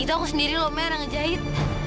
itu aku sendiri lho mer yang ngejahit